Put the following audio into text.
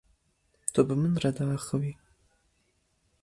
Tu bi min re diaxivî?